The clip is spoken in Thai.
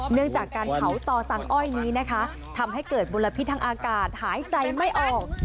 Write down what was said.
เนื่องจากการเผาต่อสั่งอ้อยนี้นะคะทำให้เกิดมลพิษทางอากาศหายใจไม่ออก